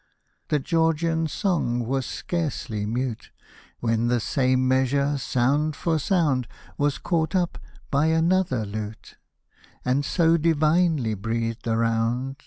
The Georgian's song was scarcely mute, When the same measure, sound for sound, Was caught up by another lute, And so divinely breathed around.